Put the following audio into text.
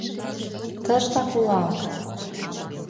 Тыштак улам!..